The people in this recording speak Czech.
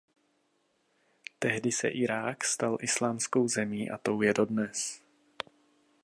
Tehdy se v Irák stal islámskou zemí a tou je dodnes.